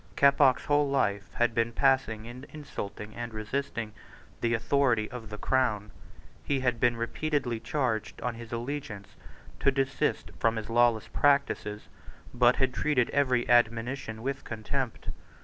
Keppoch's whole life had been passed in insulting and resisting the authority of the Crown. He had been repeatedly charged on his allegiance to desist from his lawless practices, but had treated every admonition with contempt.